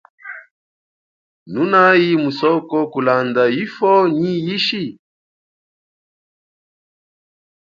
Nunayi musoko kulanda ifwo nyi ishi ?